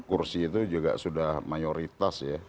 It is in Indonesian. kursi itu juga sudah mayoritas ya